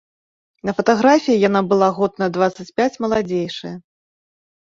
На фатаграфіі яна была год на дваццаць пяць маладзейшая.